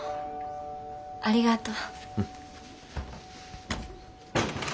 ありがとう。